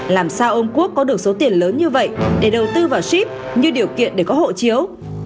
làm sao ông quốc có được số tiền lớn như vậy để đầu tư vào ship như điều kiện để có hộ chiếu